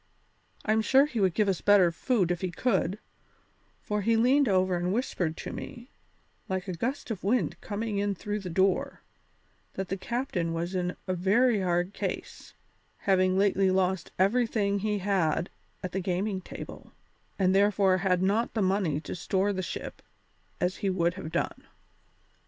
I'm sure he would give us better food if he could, for he leaned over and whispered to me, like a gust of wind coming in through the door, that the captain was in a very hard case, having lately lost everything he had at the gaming table, and therefore had not the money to store the ship as he would have done."